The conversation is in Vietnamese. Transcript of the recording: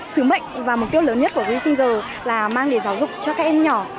sứ mệnh và mục tiêu lớn nhất của refinger là mang đến giáo dục cho các em nhỏ